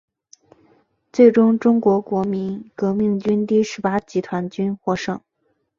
最终中国国民革命军第十八集团军获胜。